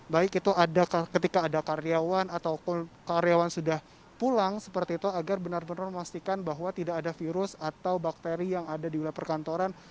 baik itu ketika ada karyawan ataupun karyawan sudah pulang seperti itu agar benar benar memastikan bahwa tidak ada virus atau bakteri yang ada di wilayah perkantoran